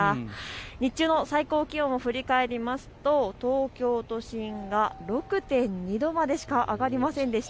日中の最高気温を振り返りますと東京都心が６．２度までしか上がりませんでした。